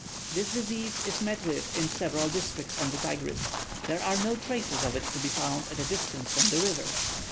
This disease is met with in several districts on the Tigris; there are no traces of it to be found at a distance from the river.